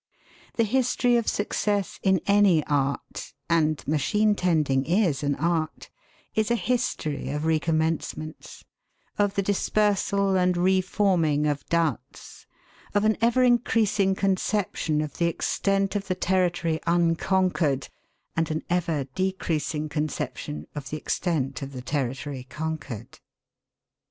The history of success in any art and machine tending is an art is a history of recommencements, of the dispersal and reforming of doubts, of an ever increasing conception of the extent of the territory unconquered, and an ever decreasing conception of the extent of the territory conquered.